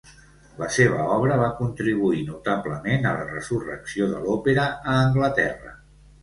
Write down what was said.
La seva obra va contribuir notablement a la resurrecció de l'òpera a Anglaterra.